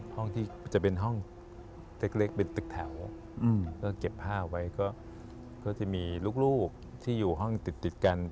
ห้องที่จะเป็นห้องเล็กเป็นตึกแถวก็เก็บผ้าไว้ก็จะมีลูกที่อยู่ห้องติดกัน